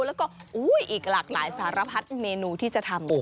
แล้วก็อีกหลากหลายสารพัดเมนูที่จะทำ